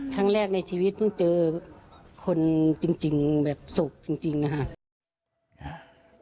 ครั้งแรกในชีวิตเพิ่งเจอคนจริงแบบศพจริงนะครับ